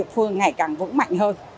vương ngày càng vững mạnh hơn